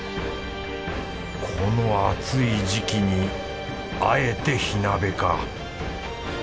この暑い時期にあえて火鍋か。